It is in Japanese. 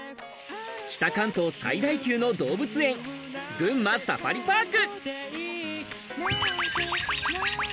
北関東最大級の動物園、群馬サファリパーク。